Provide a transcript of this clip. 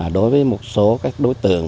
đối với một số các đối tượng